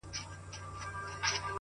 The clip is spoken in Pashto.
د غزل په برخه کي یې